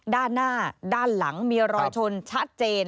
ด้านหน้าด้านหลังมีรอยชนชัดเจน